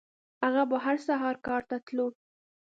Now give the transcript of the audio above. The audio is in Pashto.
هغه به هر سهار کار ته تلو.